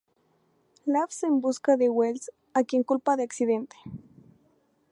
Labs en busca de Wells, a quien culpa del accidente.